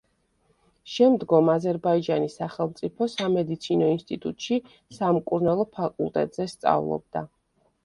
შემდგომ აზერბაიჯანის სახელმწიფო სამედიცინო ინსტიტუტში სამკურნალო ფაკულტეტზე სწავლობდა.